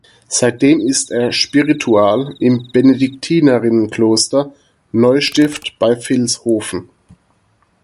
Seitdem ist er Spiritual im Benediktinerinnenkloster Neustift bei Vilshofen.